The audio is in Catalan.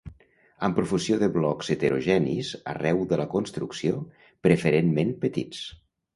Amb profusió de blocs heterogenis arreu de la construcció, preferentment petits.